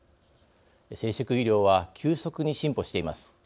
生殖医療は急速に進歩しています。